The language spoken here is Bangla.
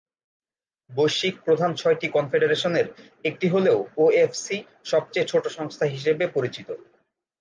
বৈশ্বিক প্রধান ছয়টি কনফেডারেশনের একটি হলেও ওএফসি সবচেয়ে ছোট সংস্থা হিসেবে পরিচিত।